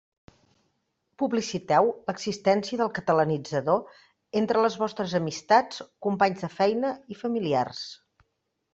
Publiciteu l'existència del Catalanitzador entre les vostres amistats, companys de feina i familiars.